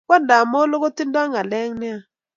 Kwandab molo kotindo ngalek nea